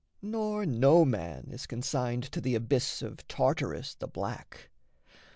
Nor no man is consigned to the abyss Of Tartarus, the black.